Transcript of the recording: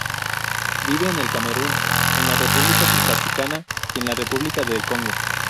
Vive en el Camerún, en la República Centroafricana y en la República del Congo.